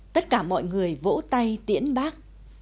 tất cả mọi người vỗ tay tiễn bác